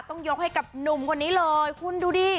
ต้องยกให้กับหนุ่มคนนี้เลยคุณดูดิ